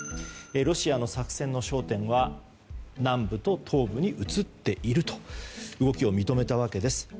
ロシアの作戦の焦点は南部と東部に移っていると動きを認めたわけです。